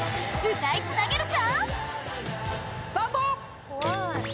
歌いつなげるか？